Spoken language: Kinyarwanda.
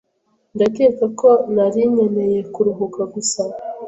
Ndakeka ko nari nkeneye kuruhuka gusa.